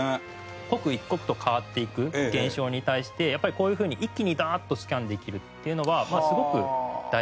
刻一刻と変わっていく現象に対してやっぱりこういう風に一気にダーッとスキャンできるっていうのはすごく大事なんですね。